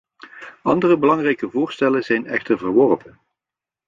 Andere belangrijke voorstellen zijn echter verworpen.